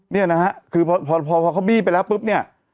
เนี่ยนะฮะคือพอเขาบี้ไปแล้วปุ๊บเนี่ย